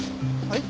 はい？